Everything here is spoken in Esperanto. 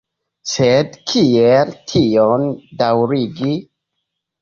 Sed kiel tion daŭrigi?